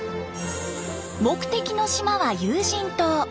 目的の島は有人島。